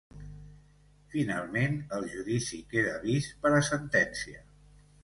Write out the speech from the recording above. Finalment el judici quedà vist per a sentència.